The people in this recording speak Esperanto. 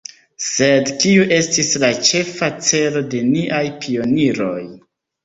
Sed kiu estis la ĉefa celo de niaj pioniroj?